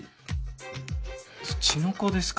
ツチノコですか？